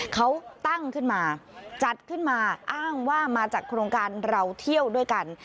เขาตั้งขึ้นมาจัดขึ้นมาอ้างว่ามาจากโครงการเราเที่ยวด้วยกัน